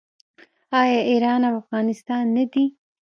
آیا ایران او افغانستان نه دي؟